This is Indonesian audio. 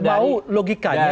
anda mau logikanya